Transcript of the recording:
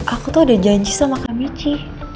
aku tuh ada janji sama kang michi